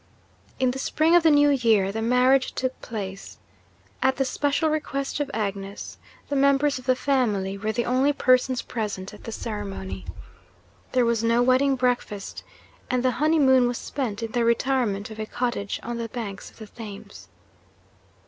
In the spring of the new year, the marriage took place. At the special request of Agnes, the members of the family were the only persons present at the ceremony. There was no wedding breakfast and the honeymoon was spent in the retirement of a cottage on the banks of the Thames.